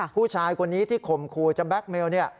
ผู้ชายคนนี้ที่คมครูจะแบล็กเมล์